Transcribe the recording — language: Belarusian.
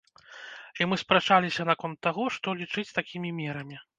І мы спрачаліся наконт таго, што лічыць такімі мерамі.